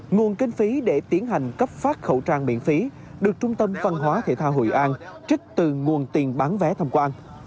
nguồn kinh phí để tiến hành cấp phát khẩu trang miễn phí được trung tâm văn hóa thể thao hội an trích từ nguồn tiền bán vé tham quan